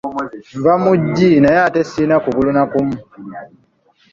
Nva mu ggi naye ate sirina kugulu na kumu.